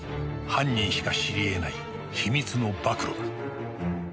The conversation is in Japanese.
犯人しか知りえない秘密の暴露だ